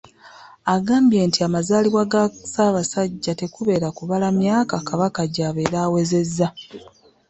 Agambye nti amazaalibwa ga ssaabasajja tekubeera kubala myaka Kabaka gy'abeera awezezza.